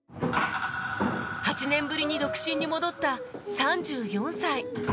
８年ぶりに独身に戻った３４歳